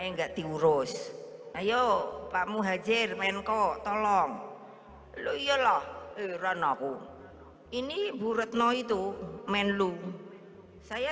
enggak diurus ayo pak muhajir menko tolong lu iyalah iran aku ini bu retno itu menlu saya